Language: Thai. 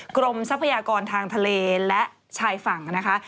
ทรัพยากรทางทะเลและชายฝั่งนะคะ